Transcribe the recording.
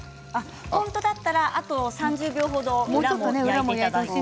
本当だったらあと３０秒程裏も焼いていただいてから。